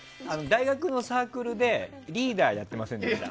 大学のサークルでリーダーやってませんでした？